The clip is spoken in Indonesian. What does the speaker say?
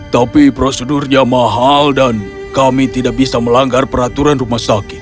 tapi prosedurnya mahal dan kami tidak bisa melanggar peraturan rumah sakit